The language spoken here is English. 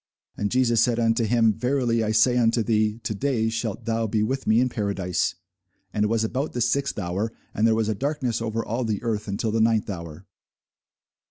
And Jesus said unto him, Verily I say unto thee, To day shalt thou be with me in paradise. And it was about the sixth hour, and there was a darkness over all the earth until the ninth hour.